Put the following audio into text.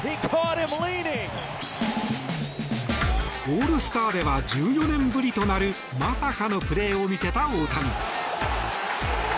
オールスターでは１４年ぶりとなるまさかのプレーを見せた大谷。